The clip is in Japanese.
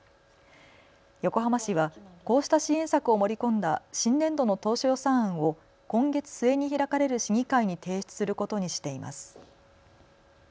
横浜市はこうした支援策を盛り込んだ新年度の当初予算案を今月末に開かれる市議会に提出することにしています。